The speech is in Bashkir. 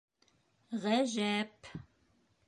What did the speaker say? Ғәжә-әп...